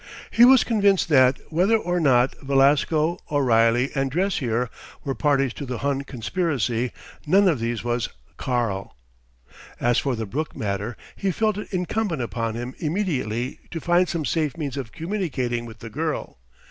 He was convinced that, whether or not Velasco, O'Reilly, and Dressier were parties to the Hun conspiracy, none of these was "Karl." As for the Brooke matter, he felt it incumbent upon him immediately to find some safe means of communicating with the girl.